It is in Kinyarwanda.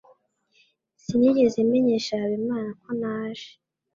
Sinigeze menyesha Habimana ko naje.